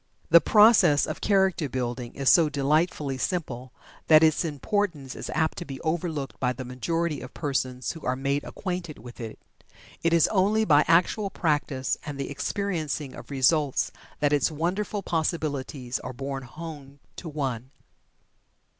The process of Character building is so delightfully simple that its importance is apt to be overlooked by the majority of persons who are made acquainted with it. It is only by actual practice and the experiencing of results that its wonderful possibilities are borne home to one.